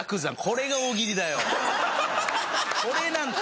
これが大喜利なの。